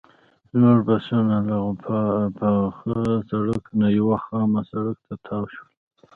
زموږ بسونه له پاخه سړک نه یوه خامه سړک ته تاو شول.